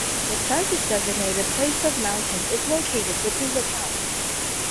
The census-designated place of Mountain is located within the town.